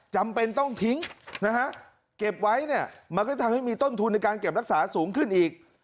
จำเป็นต้องทิ้งนะฮะเก็บไว้เนี่ยมันก็ทำให้มีต้นทุนในการเก็บรักษาสูงขึ้นอีก